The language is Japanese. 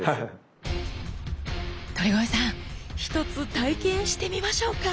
鳥越さんひとつ体験してみましょうか！